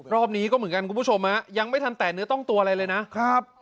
รอบนี้ก็เหมือนกันคุณผู้ชมฮะยังไม่ทันแตะเนื้อต้องตัวอะไรเลยนะครับ